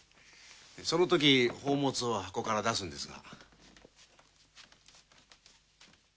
そのとき宝物を箱から出すんですが。